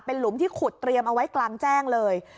เป็นหลุมที่ขุดเตรียมเอาไว้กลางแจ้งเลย